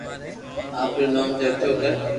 آپري نوم چرچو ڪر